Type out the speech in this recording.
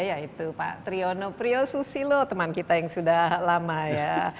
yaitu pak triyono priyo susilo teman kita yang sudah lama ya